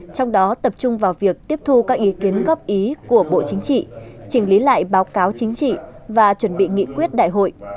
trong đó tập trung vào việc tiếp thu các ý kiến góp ý của bộ chính trị chỉnh lý lại báo cáo chính trị và chuẩn bị nghị quyết đại hội